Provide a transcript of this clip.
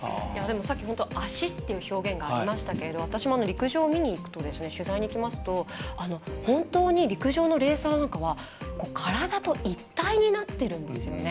足っていう表現がありましたけど私も陸上に取材に行きますと本当に陸上のレーサーなんかは体と一体になってるんですよね。